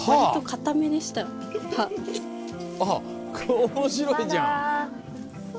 これ面白いじゃん。